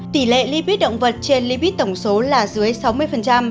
tỷ lệ lipid động vật trên lipid tổng số là dưới sáu mươi